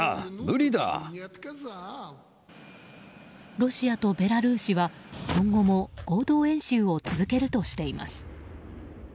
ロシアとベラルーシは今後も合同演習を続けるとしています。